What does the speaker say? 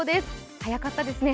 早かったですね。